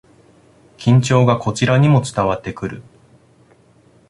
緊張がこちらにも伝わってくる